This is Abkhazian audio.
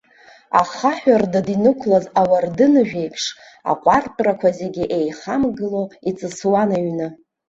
Ахаҳә-рдыд инықәлаз ауардыныжә еиԥш, аҟуартәрақәа зегьы еихамгыло, иҵысуан аҩны.